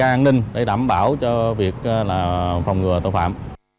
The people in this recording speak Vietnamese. đó là cái an ninh để đảm bảo cho việc phòng ngừa tội phạm